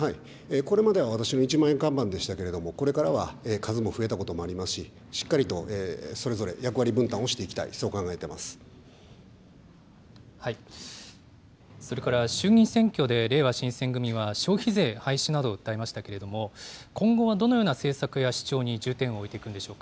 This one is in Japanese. これまで私の一枚看板でしたけれども、これからは数も増えたこともありますし、しっかりとそれぞれ、役割分担をしていきたい、それから衆議院選挙で、れいわ新選組は、消費税廃止などを訴えましたけれども、今後はどのような政策や主張に重点を置いていくんでしょうか。